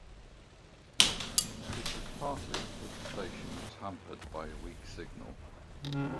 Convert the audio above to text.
This was partly because the station was hampered by a weak signal.